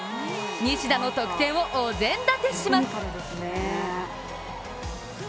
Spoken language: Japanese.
西田の得点をお膳立てします。